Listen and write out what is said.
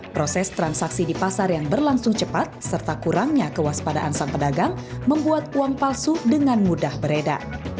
proses transaksi di pasar yang berlangsung cepat serta kurangnya kewaspadaan sang pedagang membuat uang palsu dengan mudah beredar